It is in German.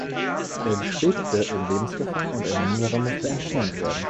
Er schwebte in Lebensgefahr und eine Niere musste entfernt werden.